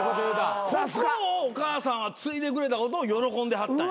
ここをお母さんは継いでくれたことを喜んではったんや。